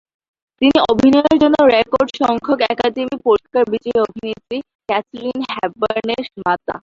তিনি অভিনয়ের জন্য রেকর্ড সংখ্যক একাডেমি পুরস্কার বিজয়ী অভিনেত্রী ক্যাথরিন হেপবার্নের মাতা।